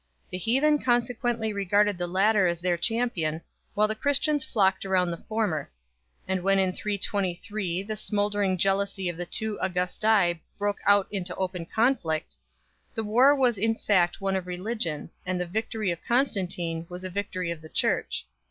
The heathen consequently regarded the latter as their champion, while the Christians nocked round the former ; and when in 323 the smouldering jealousy of the two Augusti broke out into open conflict, the war was in fact one of religion, and the victory of Constantine was the victory of the Church.